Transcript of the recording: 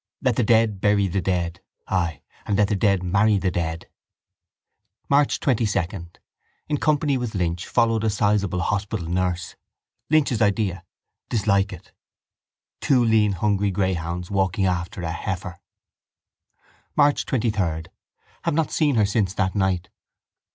Let the dead bury the dead. Ay. And let the dead marry the dead. March 22. In company with Lynch followed a sizeable hospital nurse. Lynch's idea. Dislike it. Two lean hungry greyhounds walking after a heifer. March 23. Have not seen her since that night.